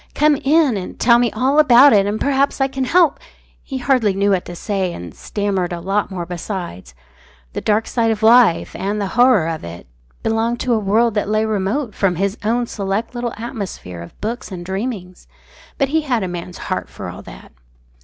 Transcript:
Come in, and tell me all about it and perhaps I can help " He hardly knew what to say, and stammered a lot more besides. The dark side of life, and the horror of it, belonged to a world that lay remote from his own select little atmosphere of books and dreamings. But he had a man's heart for all that.